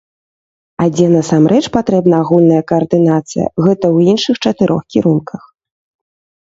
А дзе насамрэч патрэбна агульная каардынацыя, гэта ў іншых чатырох кірунках.